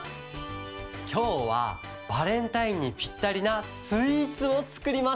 きょうはバレンタインにぴったりなスイーツをつくります。